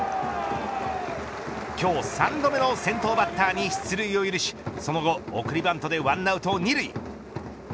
今日３度目の先頭バッターに出塁を許しその後送りバントで１アウト２塁。